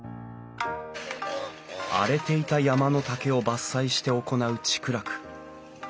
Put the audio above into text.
荒れていた山の竹を伐採して行う竹楽。